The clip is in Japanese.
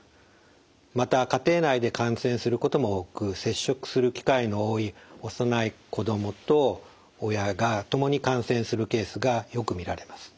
また家庭内で感染することも多く接触する機会の多い幼い子どもと親が共に感染するケースがよく見られます。